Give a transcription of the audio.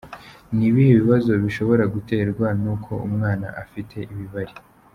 Ni ibihe bibazo bishobora guterwa n’uko umwana afite ibibari?.